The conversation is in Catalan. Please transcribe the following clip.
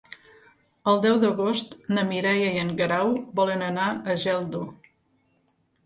El deu d'agost na Mireia i en Guerau volen anar a Geldo.